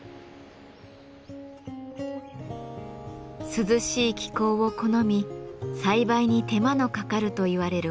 涼しい気候を好み栽培に手間のかかるといわれるホップ。